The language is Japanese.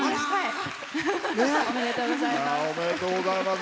おめでとうございます。